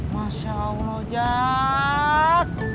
masya allah ojak